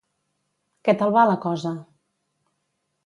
Què tal va la cosa?